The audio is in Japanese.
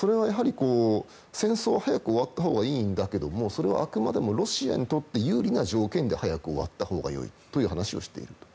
戦争を早く終わったほうがいいんだけれどもそれはあくまでもロシアにとって有利な条件で早く終わったほうが良いという話をしている。